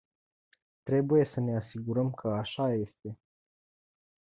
Trebuie să ne asigurăm că așa este.